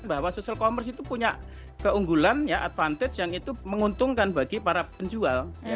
bahwa social commerce itu punya keunggulan ya advantage yang itu menguntungkan bagi para penjual